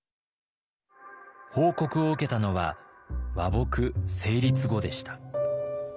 報告を受けたのは和睦成立後でした。